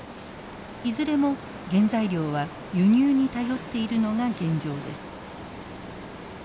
いずれも原材料は輸入に頼っているのが現状です。